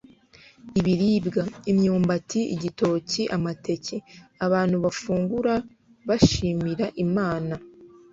ibiribwa (imyumbati, igitoki, amateke) abantu bafungura bashimira imana